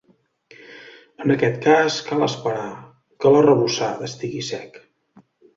En aquest cas, cal esperar que l'arrebossat estigui sec.